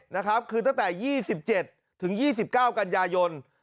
นะครับคือตั้งแต่๒๗ถึง๒๙กันยายน